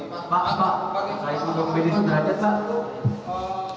saya ingin pembahas di sunda aja pak